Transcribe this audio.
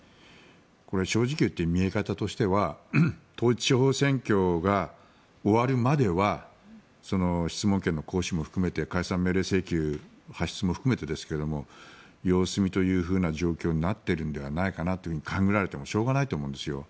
これは正直言って見え方としては統一地方選挙が終わるまでは質問権の行使も含めて解散命令請求発出も含めてですが様子見という状況になっているのではないかと勘繰られてもしょうがないと思うんですよ。